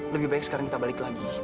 lebih baik sekarang kita balik lagi